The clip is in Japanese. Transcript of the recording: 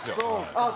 あっ！